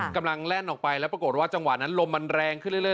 แล่นออกไปแล้วปรากฏว่าจังหวะนั้นลมมันแรงขึ้นเรื่อย